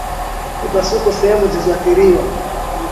Mipasuko sehemu zilizoathiriwa